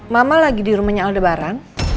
mama lagi di rumahnya aldebaran